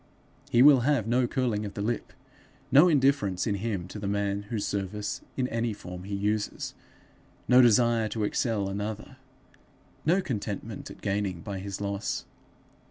He will have no curling of the lip; no indifference in him to the man whose service in any form he uses; no desire to excel another, no contentment at gaining by his loss.